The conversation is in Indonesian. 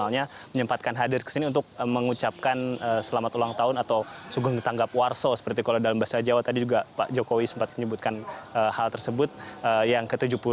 atau sungguh mengetanggap warso seperti kalau dalam bahasa jawa tadi juga pak jokowi sempat menyebutkan hal tersebut yang ke tujuh puluh delapan